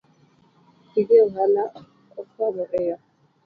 Gige ohala okwamo eyo